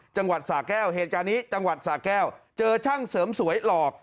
จังหวัดสาแก้วเหตุการณ์นี้จังหวัดสาแก้วเจอช่างเสริมสวยหลอก